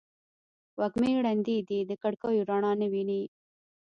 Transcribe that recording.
وږمې ړندې دي د کړکېو رڼا نه ویني